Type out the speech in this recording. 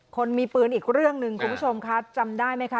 คนมีปืนอีกเรื่องหนึ่งคุณผู้ชมคะจำได้ไหมคะ